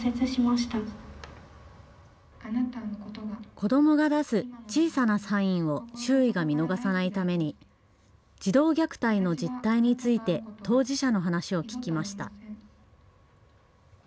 子どもが出す小さなサインを周囲が見逃さないために児童虐待の実態について当事者の話を聞きました。